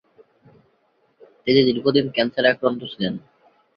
তিনি দীর্ঘদিন ক্যান্সারে আক্রান্ত ছিলেন।